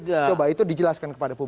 coba itu dijelaskan kepada publik